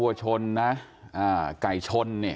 วัวชนนะไก่ชนเนี่ย